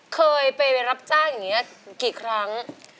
เคยไปรับจ้างอย่างนี้กี่ครั้ง